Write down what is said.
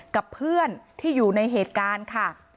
กับเพื่อนที่อยู่ในเหตุการณ์ค่ะ